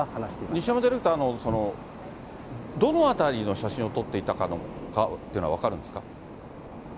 西山ディレクターの、その、どの辺りの写真を撮っていたかというのは分かるんですか。